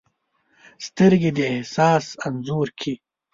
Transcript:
سترګې د احساس انځور کښي